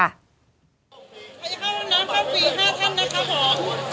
พระเจ้าวันนั้นครับฟรี๕ท่านนะครับของคุณพูด